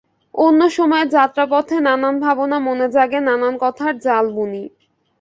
অন্য সময়ে যাত্রাপথে নানান ভাবনা মনে জাগে, নানান কথার জাল বুনি।